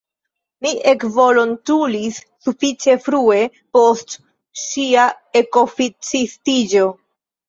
Mi ekvolontulis sufiĉe frue post ŝia ekoficistiĝo.